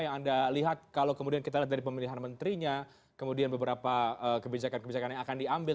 yang anda lihat kalau kemudian kita lihat dari pemilihan menterinya kemudian beberapa kebijakan kebijakan yang akan diambil